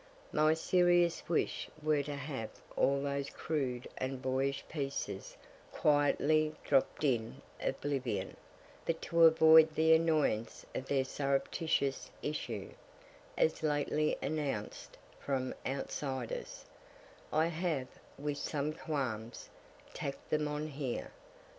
My serious wish were to have all those crude and boyish pieces quietly dropp'd in oblivion but to avoid the annoyance of their surreptitious issue, (as lately announced, from outsiders,) I have, with some qualms, tack'd them on here.